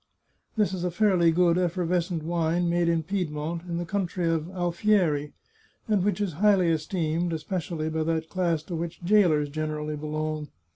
This is a fairly good effervescent wine, made in Pied mont, in the country of Alfieri, and which is highly esteemed, especially by that class to which jailers generally belong.